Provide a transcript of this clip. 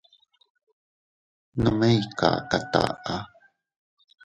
Nome ikaka taʼa.